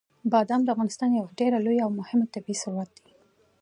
بادام د افغانستان یو ډېر لوی او مهم طبعي ثروت دی.